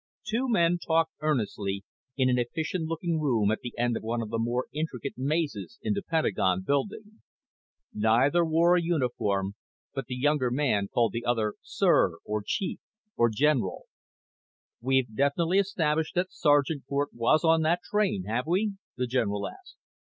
Two men talked earnestly in an efficient looking room at the end of one of the more intricate mazes in the Pentagon Building. Neither wore a uniform but the younger man called the other sir, or chief, or general. "We've established definitely that Sergeant Cort was on that train, have we?" the general asked.